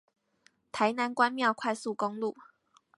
台南關廟快速公路